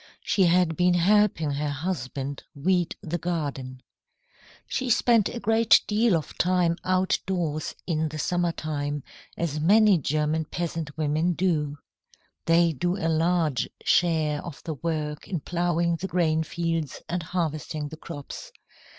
She had been helping her husband weed the garden. She spent a great deal of time outdoors in the summer time, as many German peasant women do. They do a large share of the work in ploughing the grain fields and harvesting the crops.